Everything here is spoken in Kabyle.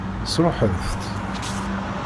Sṛuḥent-tt?